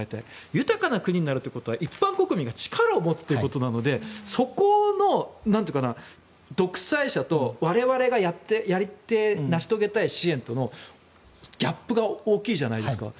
豊かな国になるということは一般国民が力を持つっていうことなのでそこの独裁者と、我々がやって、成し遂げたい支援とのギャップが大きいじゃないですか。